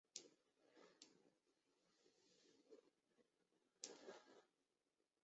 据说这些宝藏专门留待日后与莲花生大士有特殊因缘且高证量的修行人来发觉。